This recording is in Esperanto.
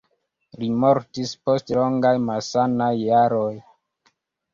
Li mortis post longaj malsanaj jaroj.